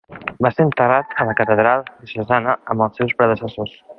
Va ser enterrat a la catedral diocesana amb els seus predecessors.